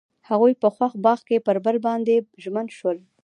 هغوی په خوښ باغ کې پر بل باندې ژمن شول.